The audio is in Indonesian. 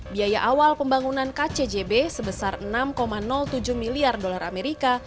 biaya awal pembangunan kcjb sebesar enam tujuh miliar dolar amerika